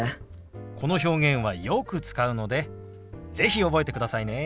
この表現はよく使うので是非覚えてくださいね。